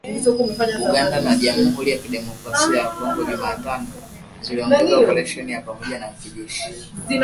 Uganda na Jamhuri ya Kidemokrasi ya Kongo Jumatano ziliongeza operesheni ya pamoja ya kijeshi